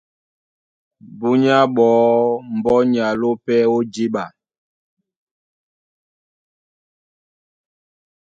Búnyá ɓɔɔ́ mbɔ́ ní alónɔ̄ pɛ́ ó jǐɓa,